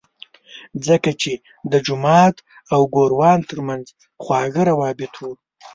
ځکه چې د جومات او ګوروان ترمنځ خواږه روابط وو.